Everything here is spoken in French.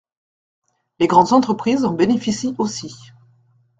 Les grandes entreprises en bénéficient aussi.